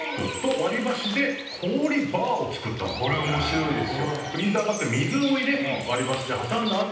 これ面白いですよ。